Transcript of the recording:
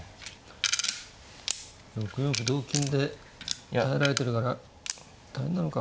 ６四歩同金で耐えられてるから大変なのか。